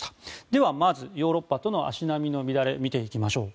では、まずヨーロッパとの足並みの乱れを見ていきましょう。